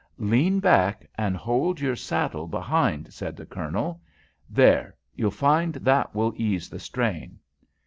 "Lean back, and hold your saddle behind," said the Colonel. "There, you'll find that will ease the strain."